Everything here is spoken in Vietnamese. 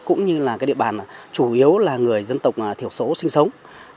cũng như địa bàn chủ yếu là người dân tộc thiểu số sinh sống